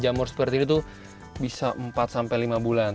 jamur seperti ini tuh bisa empat sampai lima bulan